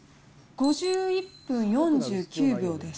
５１分４９秒です。